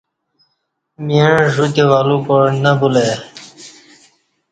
مِعہ ژ وتے ولو کاع نہ بُلہ ای